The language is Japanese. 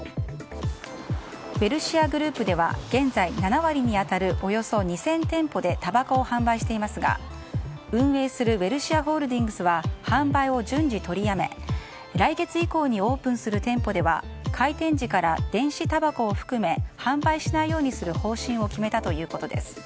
ウエルシアグループでは現在７割に当たるおよそ２０００店舗でたばこを販売していますが運営するウエルシアホールディングスは販売を順次、取りやめ来月以降にオープンする店舗では開店時から、電子たばこを含め販売しないようにする方針を決めたということです。